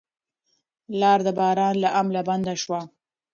لار د باران له امله بنده شوه.